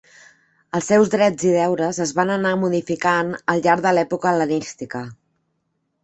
Els seus drets i deures es van anar modificant al llarg de l'època hel·lenística.